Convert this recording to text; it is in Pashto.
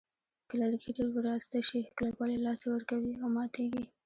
که لرګي ډېر وراسته شي کلکوالی له لاسه ورکوي او ماتېږي.